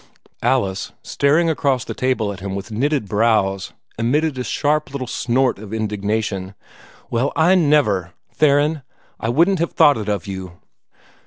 Alice, staring across the table at him with knitted brows, emitted a sharp little snort of indignation. "Well, I never! Theron, I wouldn't have thought it of you!"